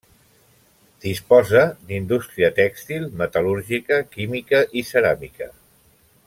Disposa d'indústria tèxtil, metal·lúrgica, química i ceràmica.